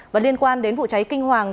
và liên quan đến vụ cháy kinh hoàng